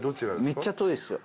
めっちゃ遠いっすよ。